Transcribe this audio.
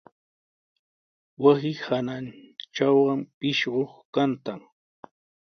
Wasi hanantraw pishqu kantan.